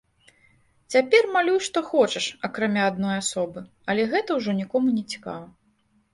Цяпер малюй што хочаш, акрамя адной асобы, але гэта ўжо нікому нецікава.